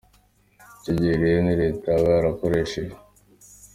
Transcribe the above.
Icyo gihe rero ni Leta yaba yarakosheje.